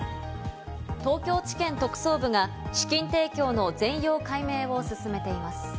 東京地検特捜部が資金提供の全容解明を進めています。